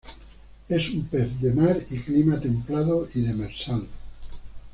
Es un pez de mar y Clima templado y demersal.